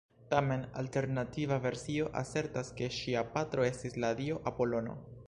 Tamen, alternativa versio asertas ke ŝia patro estis la dio Apolono.